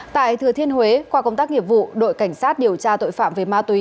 tại thừa thiên huế qua công tác nghiệp vụ đội cảnh sát điều tra tội phạm về ma túy